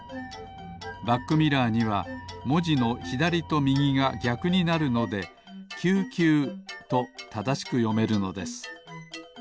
バックミラーにはもじのひだりとみぎがぎゃくになるので「救急」とただしくよめるのです。